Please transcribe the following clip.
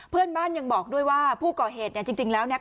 เพื่อนบ้านยังบอกด้วยว่าผู้ก่อเหตุเนี่ยจริงแล้วเนี่ย